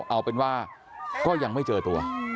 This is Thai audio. เอาเป็นว่าก็ยังไม่เจอตัว